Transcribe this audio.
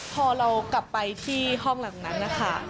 พอเรากลับไปที่ห้องหลังนั้นนะคะ